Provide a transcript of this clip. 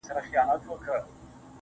د نظرونو په بدل کي مي فکرونه راوړل.